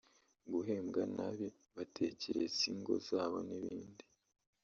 guhembwa nabi batekereza ingo zabo n’ibindi